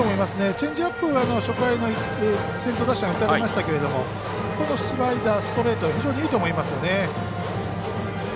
チェンジアップ初回の先頭打者が打たれましたけどもスライダー、ストレート非常にいいと思いますよね。